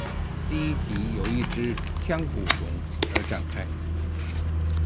第一集由一只腔骨龙而展开。